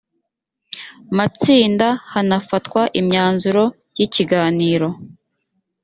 matsinda hanafatwa imyanzuro y ikiganiro